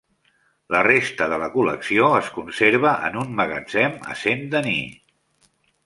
La resta de la col·lecció es conserva en un magatzem a Saint-Denis.